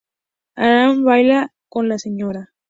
Abraham baila con la Sra.